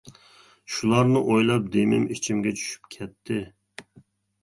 شۇلارنى ئويلاپ دېمىم ئىچىمگە چۈشۈپ كەتتى.